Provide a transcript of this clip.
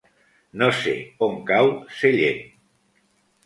No sé on cau Sellent.